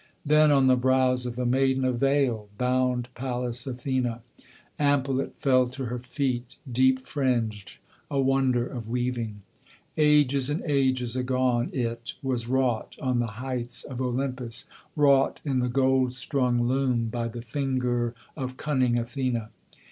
Then on the brows of the maiden a veil bound Pallas Athene; Ample it fell to her feet, deep fringed, a wonder of weaving. Ages and ages agone it was wrought on the heights of Olympus, Wrought in the gold strung loom, by the finger of cunning Athene.